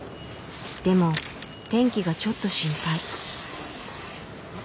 でも天気がちょっと心配。